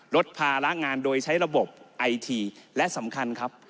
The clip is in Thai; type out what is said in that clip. ลดภาระงานโดยใช้ระบบไอทีและสำคัญครับ